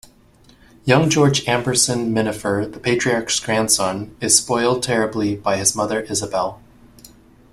Young George Amberson Minafer, the patriarch's grandson, is spoiled terribly by his mother Isabel.